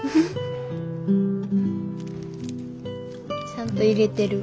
ちゃんと入れてる。